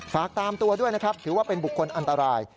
ฝากตามตัวด้วยนะครับถือว่าเป็นบุคคลอันตราย